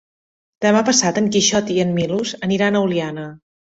Demà passat en Quixot i en Milos aniran a Oliana.